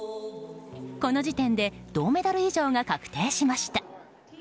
この時点で銅メダル以上が確定しました。